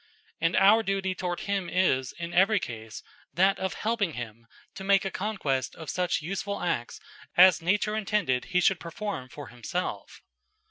And our duty toward him is, in every case, that of helping him to make a conquest of such useful acts as nature intended he should perform for himself.